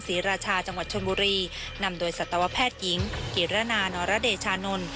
ศรีราชาจังหวัดชนบุรีนำโดยสัตวแพทย์หญิงกิรณานอรเดชานนท์